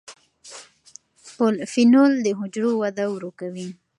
پولیفینول د حجرو وده ورو کوي.